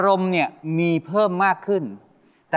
สิ่งที่บินสินค่าน่ะ